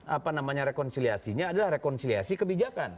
apa namanya rekonsiliasinya adalah rekonsiliasi kebijakan